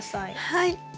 はい。